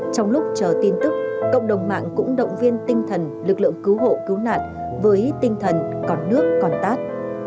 trong lúc chờ tin tức cộng đồng mạng cũng động viên tinh thần lực lượng cứu hộ cứu nạn với tinh thần còn nước còn tát